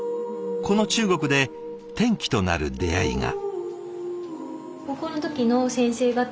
この中国で転機となる出会いが。